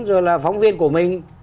rồi là phóng viên của mình